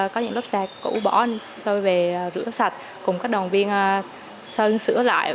có những lốp xe cũ bỏ đi tôi về rửa sạch cùng các đoàn viên sơn sửa lại